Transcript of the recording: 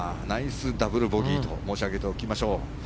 ナイスダブルボギーと申し上げておきましょう。